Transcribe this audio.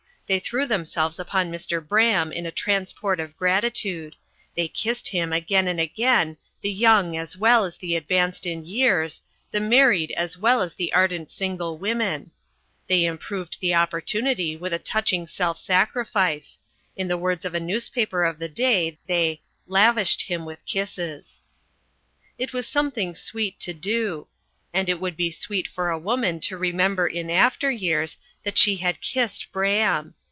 They threw themselves upon Mr. Braham in a transport of gratitude; they kissed him again and again, the young as well as the advanced in years, the married as well as the ardent single women; they improved the opportunity with a touching self sacrifice; in the words of a newspaper of the day they "lavished him with kisses." It was something sweet to do; and it would be sweet for a woman to remember in after years, that she had kissed Braham!